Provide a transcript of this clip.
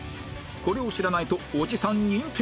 これを知らないとおじさん認定